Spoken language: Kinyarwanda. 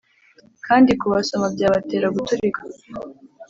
kandi kubasoma byabatera guturika